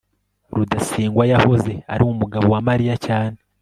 rudasingwa yahoze ari umugabo wa mariya cyane